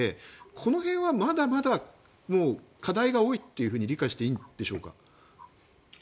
この辺はまだまだ課題が多いと理解していいんでしょうか。